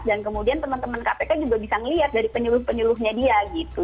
dan kemudian teman teman kpk juga bisa ngelihat dari penyuluh penyuluhnya dia gitu